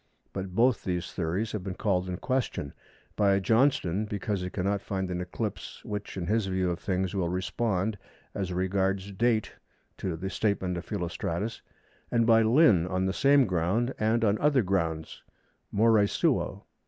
But both these theories have been called in question; by Johnston because he cannot find an eclipse which in his view of things will respond as regards date to the statement of Philostratus, and by Lynn on the same ground and on other grounds, more suo.